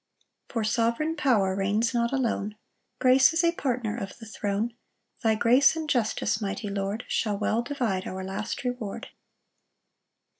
6 For sovereign power reigns not alone, Grace is a partner of the throne: Thy grace and justice, mighty Lord, Shall well divide our last reward.